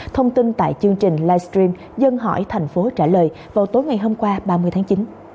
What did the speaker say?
thông tin tại chương trình livestream dân hỏi thành phố trả lời vào tối ngày hôm qua ba mươi tháng chín